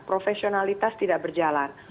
profesionalitas tidak berjalan